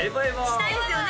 したいですよね